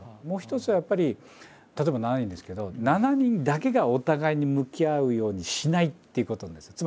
もう一つはやっぱり例えば７人ですけど７人だけがお互いに向き合うようにしないっていうことです。